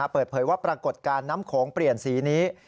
เปิดเผยว่าปรากฏการณ์น้ำโขงเปลี่ยนสีนี้